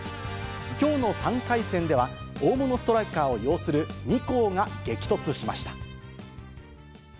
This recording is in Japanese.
きょうの３回戦では、大物ストライカーを擁する２校が激突しました。